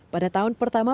pada tahun pertama